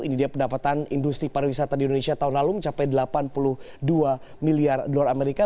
ini dia pendapatan industri pariwisata di indonesia tahun lalu mencapai delapan puluh dua miliar dolar amerika